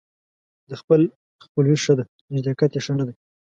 د خپل خپلوي ښه ده ، نژدېکت يې ښه نه دى.